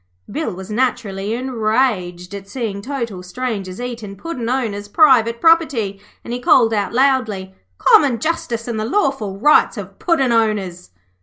Bill was naturally enraged at seeing total strangers eating Puddin' owners' private property, and he called out loudly: 'Common justice and the lawful rights of Puddin' owners.'